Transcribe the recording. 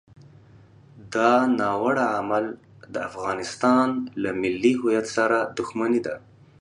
دا ناوړه عمل د افغانستان له ملي هویت سره دښمني ده.